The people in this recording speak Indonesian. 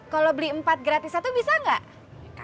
kalo beli empat gratis satu bisa gak